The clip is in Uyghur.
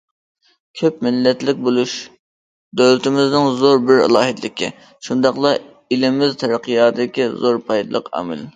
كۆپ مىللەتلىك بولۇش دۆلىتىمىزنىڭ زور بىر ئالاھىدىلىكى، شۇنداقلا ئېلىمىز تەرەققىياتىدىكى زور پايدىلىق ئامىل.